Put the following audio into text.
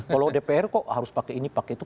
kalau dpr kok harus pakai ini pakai itu